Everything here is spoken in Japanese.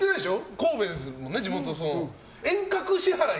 神戸ですもんね。